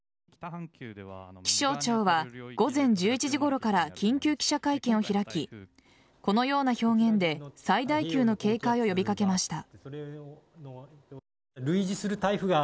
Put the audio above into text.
気象庁は午前１１時ごろから緊急記者会見を開きこのような表現で最大級の警戒を呼び掛けました。